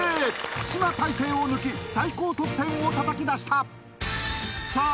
島太星を抜き最高得点を叩き出したさあ